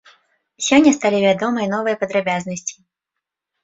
Сёння сталі вядомыя новыя падрабязнасці.